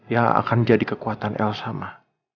yang akan jadi kekuatan elsa ma